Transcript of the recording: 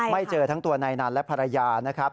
เจอทั้งตัวนายนันและภรรยานะครับ